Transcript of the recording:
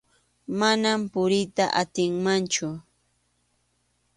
Manam puriyta atinmanchu.